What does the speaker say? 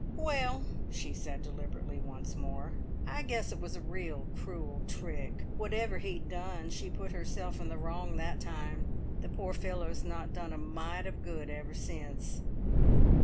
"Well," she said deliberately once more, "I guess it was a real cruel trick. Whatever he'd done, she put herself in the wrong that time. The poor fellow's not done a mite of good ever since."